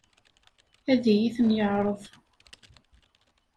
Ad iyi-ten-yeɛṛeḍ?